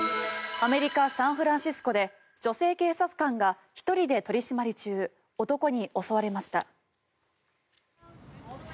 アメリカ・サンフランシスコで女性警察官が１人で取り締まり中男に襲われました。